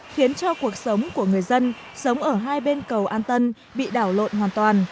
khiến cho cuộc sống của người dân sống ở hai bên cầu an tân bị đảo lộn hoàn toàn